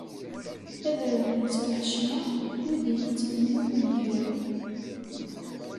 Ad rewlen si lḥecma wid i y-ittmennin nnger.